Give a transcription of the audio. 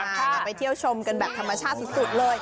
ใช่แล้วมาไปเที่ยวชมกันแบบธรรมชาติสิบสุดเลย